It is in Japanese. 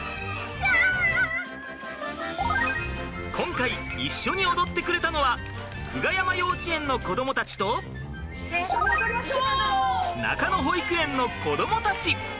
今回一緒に踊ってくれたのは久我山幼稚園の子どもたちと中野保育園の子どもたち。